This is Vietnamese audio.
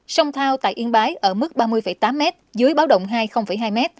sông thao tại yên bái ở mức ba mươi tám m dưới báo động hai hai m